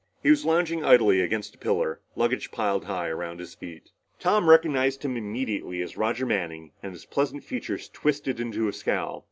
He was lounging idly against a pillar, luggage piled high around his feet. Tom recognized him immediately as Roger Manning, and his pleasant features twisted into a scowl.